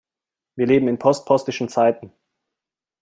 Wir leben in postpostischen Zeiten.